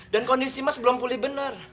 dan kondisi mas belum pulih bener